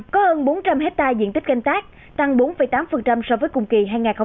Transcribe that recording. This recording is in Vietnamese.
có hơn bốn trăm linh hectare diện tích canh tác tăng bốn tám so với cùng kỳ hai nghìn hai mươi ba